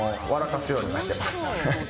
かすようにはしてます。